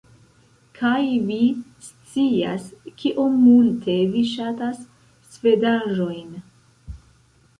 Kaj vi scias kiom multe vi ŝatas svedaĵojn